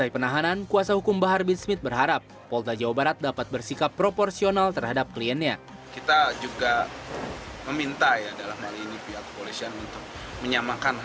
pada saat itu bahar bin smith berharap bahar di jawa barat dapat bersikap proporsional terhadap kliennya